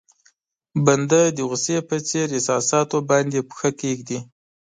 بنده د غوسې په څېر احساساتو باندې پښه کېږدي.